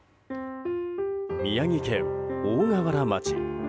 宮城県大河原町。